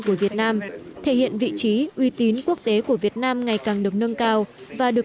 của việt nam thể hiện vị trí uy tín quốc tế của việt nam ngày càng được nâng cao và được